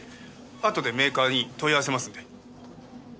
あとでメーカーに問い合わせますんで。